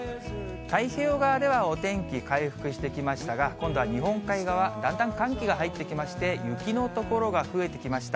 太平洋側ではお天気、回復してきましたが、今度は日本海側、だんだん寒気が入ってきまして、雪の所が増えてきました。